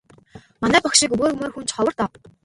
Манай багш шиг өгөөмөр хүн ч ховор доо.